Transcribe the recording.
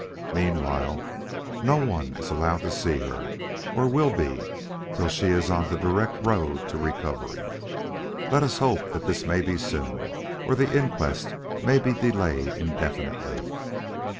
Meanwhile, no one is allowed to see her or will be till she is on the direct road to recovery. Let us hope that this may be soon, or the inquest may be delayed indefinitely."